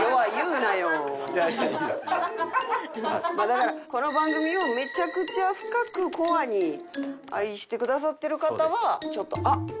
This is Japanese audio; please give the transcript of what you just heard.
だからこの番組をめちゃくちゃ深くコアに愛してくださってる方はちょっと「あっ！